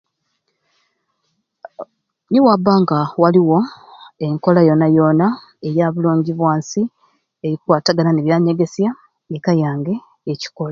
Niwabba nga waliwo enkola yoona yoona eya bulungi bwa nsi ekwatagana n'ebyanyegeesya eka yange ekikola.